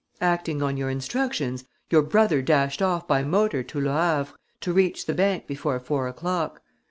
Acting on your instructions, your brother dashed off by motor to Le Havre to reach the bank before four o'clock.